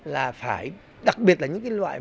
là phải đặc biệt là những loại